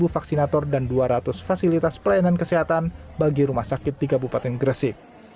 sepuluh vaksinator dan dua ratus fasilitas pelayanan kesehatan bagi rumah sakit di kabupaten gresik